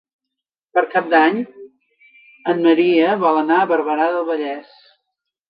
Per Cap d'Any en Maria vol anar a Barberà del Vallès.